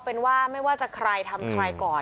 พี่บ้านไม่อยู่ว่าพี่คิดดูด